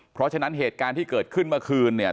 เพราะฉะนั้นเหตุการณ์ที่เกิดขึ้นเมื่อคืนเนี่ย